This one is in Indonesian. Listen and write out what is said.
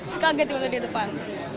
sekaget tiba tiba di depan